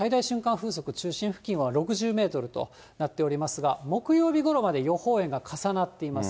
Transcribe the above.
風速中心付近は６０メートルとなっておりますが、木曜日ごろまで予報円が重なっています。